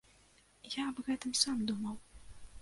Я аб гэтым сам думаў.